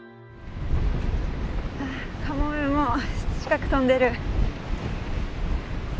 あっカモメも近く飛んでる。